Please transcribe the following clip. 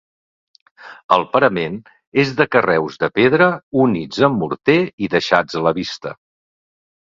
El parament és de carreus de pedra units amb morter i deixats a la vista.